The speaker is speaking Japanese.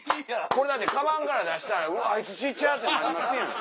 これだってカバンから出したらあいつ小っちゃってなりますやん。